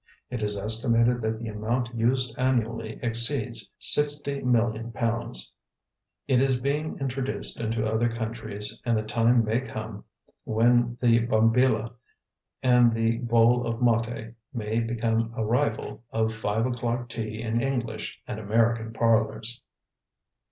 It is estimated that the amount used annually exceeds 60,000,000 pounds. It is being introduced into other countries and the time may come when the bombilla and the bowl of mate may become a rival of five o'clock tea in English and American parlors.